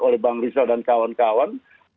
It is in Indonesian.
oleh bang rizal dan kawan kawan